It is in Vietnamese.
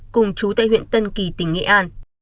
cùng chú tại huyện tân kỳ tỉnh nghệ an